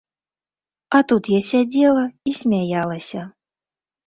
А тут я сядзела і смяялася.